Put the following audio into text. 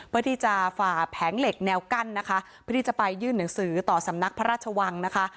เพื่อที่จะฝ่าแผงเหล็กแนวกั้นนะคะเพื่อที่จะไปยื่นหนังสือต่อสำนักพระราชวังนะคะ